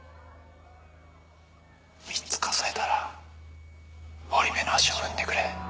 ３つ数えたら堀部の足を踏んでくれ。